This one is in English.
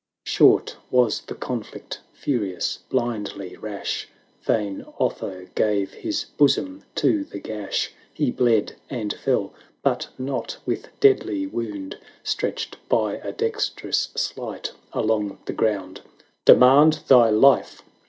Short was the conflict; furious, blindly rash. Vain Otho gave his bosom to the gash : He bled, and fell; but not with deadly wound, Stretched by a dextrous sleight along the ground. " Demand thy life.!